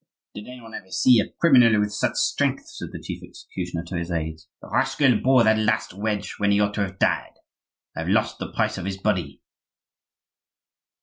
"Did any one ever see a criminal with such strength?" said the chief executioner to his aids. "The rascal bore that last wedge when he ought to have died; I've lost the price of his body."